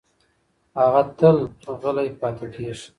هغه تل غلې پاتې کېږي.